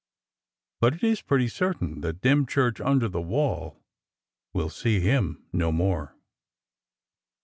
But it is pretty certain that Dymchurch under the Wall will see him no more.